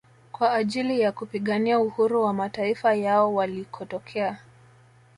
Kwa ajili ya kupigania uhuru wa mataifa yao walikotokea